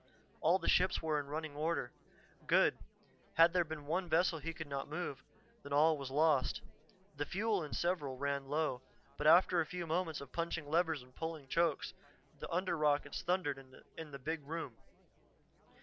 All the ships were in running order. Good; had there been one vessel he could not move, then all was lost. The fuel in several ran low, but after a few moments of punching levers and pulling chokes, the under rockets thundered in the big room.